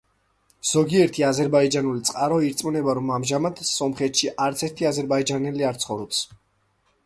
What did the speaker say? ზოგიერთი აზერბაიჯანული წყარო ირწმუნება, რომ ამჟამად სომხეთში არც ერთი აზერბაიჯანელი არ ცხოვრობს.